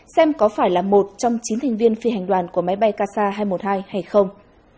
xem có phải là một trong chín thành viên phi hành đoàn của máy bay kasa hai trăm một mươi hai hay không